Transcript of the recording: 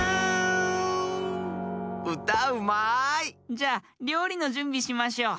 じゃりょうりのじゅんびしましょう。